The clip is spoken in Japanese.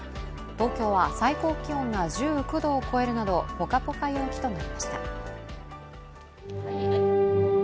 東京は最高気温が１９度を超えるなどぽかぽか陽気となりました。